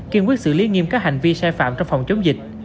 kiên quyết xử lý nghiêm các hành vi sai phạm trong phòng chống dịch